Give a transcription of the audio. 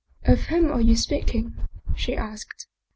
" Of whom are you speaking?" she asked.